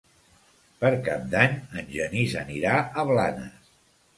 Per Cap d'Any en Genís anirà a Blanes.